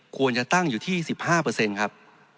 ควรจะตั้งอยู่ที่๒๕เปอร์เซ็นต์ครับ